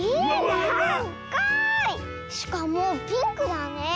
しかもピンクだねえ。